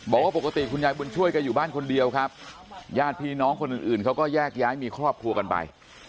บอกว่าปกติคุณยายบุญช่วยกันอยู่บ้านคนเดียวครับญาติพี่น้องคนอื่นเขาก็แยกย้ายมีครอบครัวกันไป